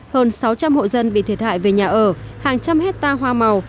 hơn sáu trăm linh hộ dân bị thiệt hại về nhà ở hàng trăm hectare hoa màu